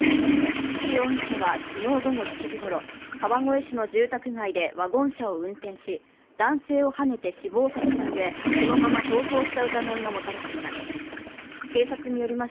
岸容疑者は昨日午後７時ごろ、川口市の住宅街でワゴン車を運転し、男性をはねて死亡させたうえそのまま逃走した疑いが持たれています。